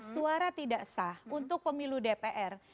dua ribu empat belas suara tidak sah untuk pemilu dpr